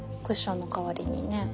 クッションの代わりにね。